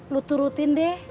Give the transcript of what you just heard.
lu turutin deh